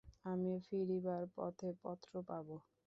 আমি ফিরিবার পথে পত্র পাব।